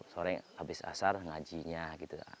sore habis asar ngajinya gitu